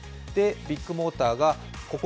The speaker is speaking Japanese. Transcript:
ビッグモーターがここ